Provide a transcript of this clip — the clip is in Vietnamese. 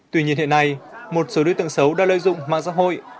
tuy nhiên hiện nay một số đối tượng xấu đã lợi dụng mạng xã hội